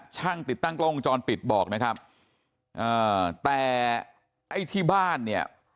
ช่างติดตั้งกล้องวงจรปิดบอกนะครับอ่าแต่ไอ้ที่บ้านเนี่ย